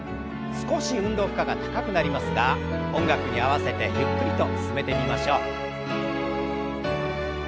少し運動負荷が高くなりますが音楽に合わせてゆっくりと進めてみましょう。